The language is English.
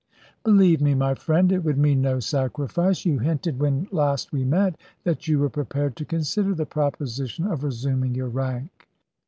"Believe me, my friend, it would mean no sacrifice. You hinted when last we met that you were prepared to consider the proposition of resuming your rank."